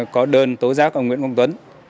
có đơn tố giác ông nguyễn quang tuấn